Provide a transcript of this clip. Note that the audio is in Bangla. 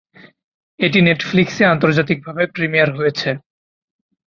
এটি নেটফ্লিক্সে আন্তর্জাতিকভাবে প্রিমিয়ার হয়েছে।